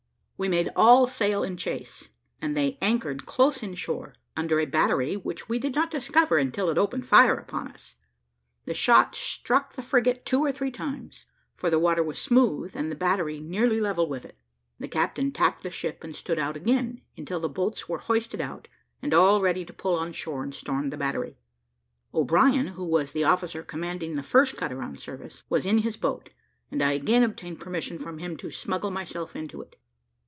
We made all sail in chase, and they anchored close in shore, under a battery, which we did not discover until it opened fire upon us. The shot struck the frigate two or three times, for the water was smooth, and the battery nearly level with it. The captain tacked the ship, and stood out again, until the boats were hoisted out, and all ready to pull on shore and storm the battery. O'Brien, who was the officer commanding the first cutter on service, was in his boat, and I again obtained permission from him to smuggle myself into it.